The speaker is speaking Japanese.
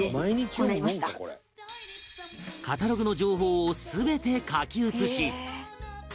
カタログの情報を全て書き写し